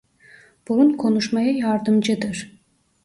Burun konuşmaya yardımcıdır.